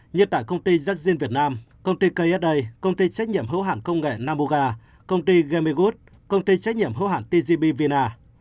như tại công ty jack gin việt nam công ty ksa công ty trách nhiệm hữu hạn công nghệ namuga công ty gamegood công ty trách nhiệm hữu hạn tgp vina